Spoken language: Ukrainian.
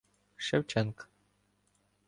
Шевченка.